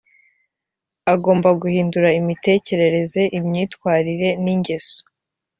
agomba guhindura imitekerereze imyitwarire n’ingeso